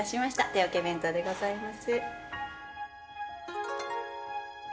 手桶弁当でございます。